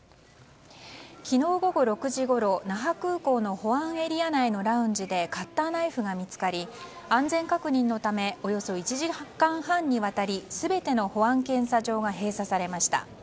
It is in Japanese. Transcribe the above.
昨日午後６時ごろ、那覇空港の保安エリア内のラウンジでカッターナイフが見つかり安全確認のためおよそ１時間半にわたり全ての保安検査場が閉鎖されました。